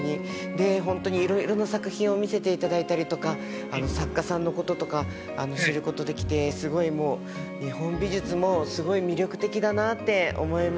で本当にいろいろな作品を見せていただいたりとか作家さんのこととか知ることできてすごいもう日本美術もすごい魅力的だなって思いました。